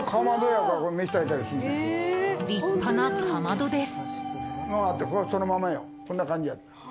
立派なかまどです。